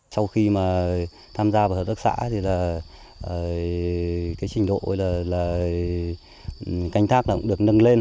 sau khi mà tham gia vào hợp tác xã thì là cái trình độ là cánh thác là cũng được nâng lên